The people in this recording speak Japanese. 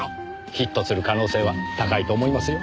ヒットする可能性は高いと思いますよ。